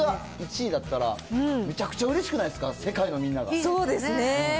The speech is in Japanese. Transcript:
これが１位だったら、めちゃくちゃうれしくないですか、世界そうですね。